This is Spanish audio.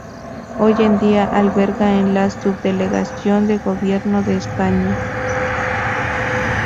Hoy en día alberga a la subdelegación de gobierno de España.